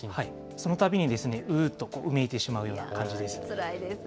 そのたびに、うーっとうめいてしまうような感じです。